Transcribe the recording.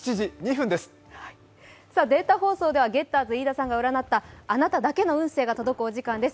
データ放送ではゲッターズ飯田さんが占ったあなただけの運勢が届くお時間です。